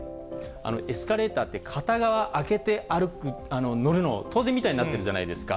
エスカレーターって、片側空けて乗るのが当然みたいになってるじゃないですか。